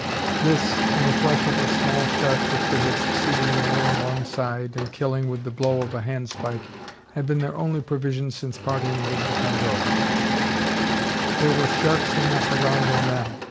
This, and the flesh of a small shark, which they had succeeded in luring alongside, and killing with the blow of a handspike, had been their only provision since parting with the Pandora. There were sharks enough around them now.